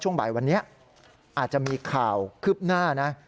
บ่ายวันนี้อาจจะมีข่าวคืบหน้านะ